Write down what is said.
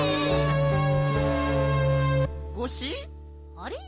あれ？